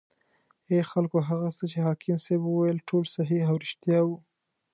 ای خلکو هغه څه چې حاکم صیب وویل ټول صحیح او ریښتیا و.